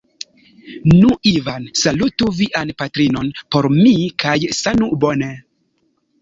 Nu Ivan; salutu vian patrinon por mi kaj sanu bone.